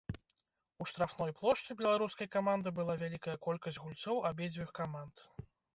У штрафной плошчы беларускай каманды была вялікая колькасць гульцоў абедзвюх каманд.